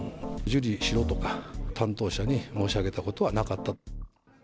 受理しろとか、担当者に申し上げたことはなかった。